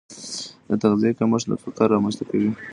د تغذیې کمښت فقر رامنځته کوي.